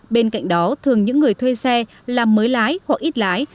bên cạnh đó thường những người thuê xe làm mới lái hoặc ít lái